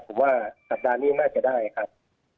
ผมว่าสัปดาห์นี้น่าจะได้ครับ